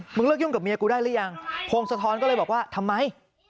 เลิกยุ่งกับเมียกูได้หรือยังพงศธรก็เลยบอกว่าทำไม